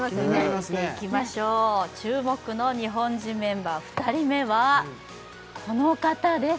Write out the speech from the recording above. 見ていきましょう注目の日本人メンバー２人目はこの方です